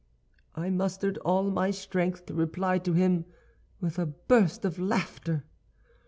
"I mustered all my strength to reply to him with a burst of laughter.